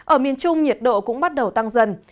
ở miền trung nhiệt độ cũng bắt đầu tăng dần